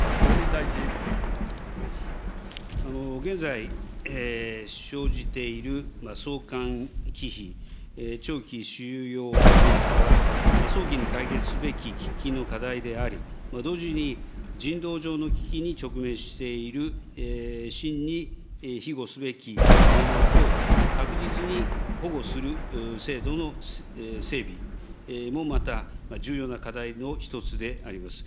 現在、生じている送還忌避長期収容問題は、早期に解決すべき喫緊の課題であり、同時に人道上の危機に直面している真に庇護すべき者を確実に保護する制度の整備もまた、重要な課題の一つであります。